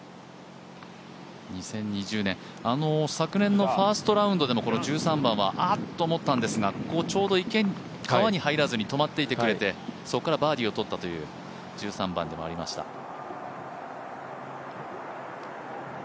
２０２０年、昨年のファーストラウンドでもこの１３番はあっと思ったんですが、ちょうど川に入らずに止まっていてくれてそこからバーディーをとったという１３番でもありました。